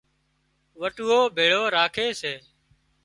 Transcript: وٽُوئو ڀيۯو راکي سي